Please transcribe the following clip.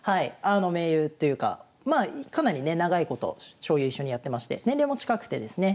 盟友というかまあかなりね長いこと将棋を一緒にやってまして年齢も近くてですね